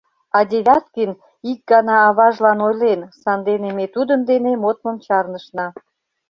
А Девяткин ик гана аважлан ойлен, сандене ме тудын дене модмым чарнышна...